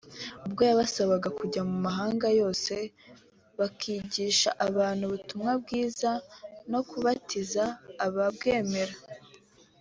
ubwo yabasabaga kujya mu mahanga yose bakigisha abantu ubutumwa bwiza no kubatiza ababwemera